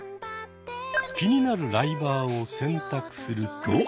気になるライバーを選択すると。